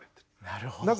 なるほど。